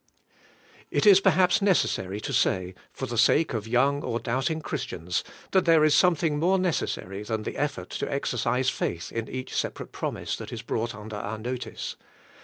It is perhaps necessary to say, for the sake of young or doubting Christians, that there is something more necessary than the effort to exercise faith in each separate promise that is brought under our notice.